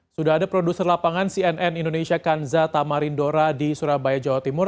sudah ada produser lapangan cnn indonesia kanza tamarindora di surabaya jawa timur